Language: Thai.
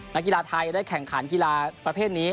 นักกีฬาไทยได้แข่งขันกีฬาประเภทนี้